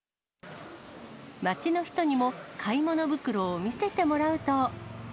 街の人にも買い物袋を見せてもらうと。